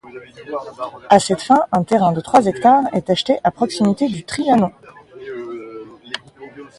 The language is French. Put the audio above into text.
À cette fin un terrain de trois hectares est acheté à proximité du Trianon.